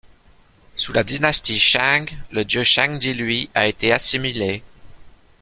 Sous la dynastie Shang, le dieu Shang Di lui a été assimilé.